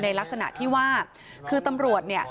ลักษณะที่ว่าคือตำรวจเนี่ย